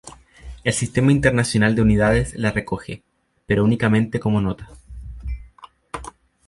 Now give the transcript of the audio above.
El Sistema Internacional de Unidades la recoge, pero únicamente como nota.